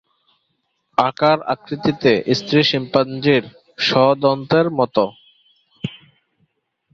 আকার আকৃতিতে স্ত্রী শিম্পাঞ্জির শ্ব-দ্বন্তের মত।